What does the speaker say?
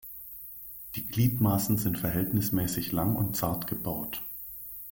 Die Gliedmaßen sind verhältnismäßig lang und zart gebaut.